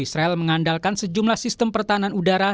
israel mengandalkan sejumlah sistem pertahanan udara